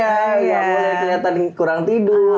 yang boleh kelihatan kurang tidur